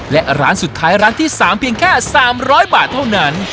และร้านสุดท้ายร้านที่๓เพียงแค่๓๐๐บาทเท่านั้น